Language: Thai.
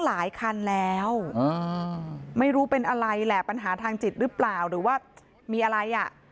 หลายคันแล้วไม่รู้เป็นอะไรแหละปัญหาทางจิตหรือเปล่าหรือว่ามีอะไรอ่ะ